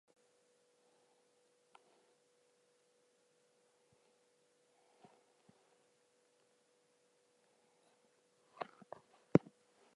However, the party did not contest any further elections.